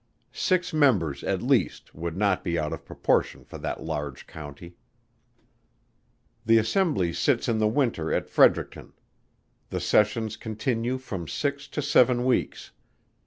Six members at least, would not be out of proportion for that large County. The Assembly sits in the winter at Fredericton: the sessions continue from six to seven weeks.